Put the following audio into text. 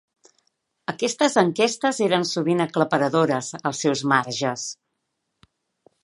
Aquestes enquestes eren sovint aclaparadores als seus marges.